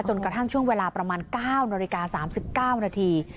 จนกระทั่งช่วงเวลาประมาณ๙นาฬิกา๓๙นาที